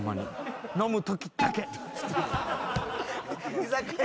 居酒屋。